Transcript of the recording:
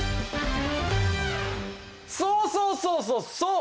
そうそうそうそうそう！